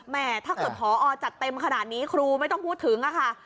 ถ้าเกิดพอจัดเต็มขนาดนี้ครูไม่ต้องพูดถึงค่ะ